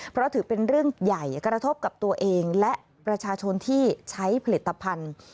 เพราะถือเป็นเรื่องใหญ่กระทบกับตัวเองและประชาชนที่ใช้ผลิตภัณฑ์